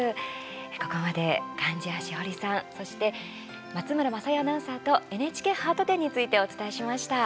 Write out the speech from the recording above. ここまで、貫地谷しほりさんそして松村正代アナウンサーとＮＨＫハート展についてお伝えしました。